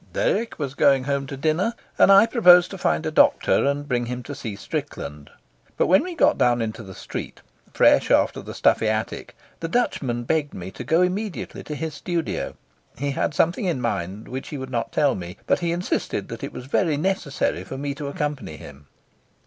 Dirk was going home to dinner, and I proposed to find a doctor and bring him to see Strickland; but when we got down into the street, fresh after the stuffy attic, the Dutchman begged me to go immediately to his studio. He had something in mind which he would not tell me, but he insisted that it was very necessary for me to accompany him.